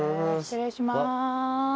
失礼します。